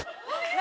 何？